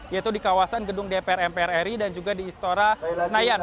yaitu di kawasan gedung dpr mpr ri dan juga di istora senayan